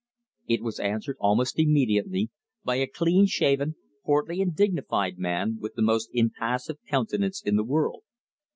It was answered almost immediately by a cleanshaven, portly and dignified man with the most impassive countenance in the world.